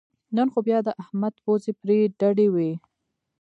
نن خو بیا د احمد پوزې پرې ډډې وې